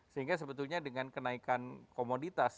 sehingga sebetulnya dengan kenaikan komoditas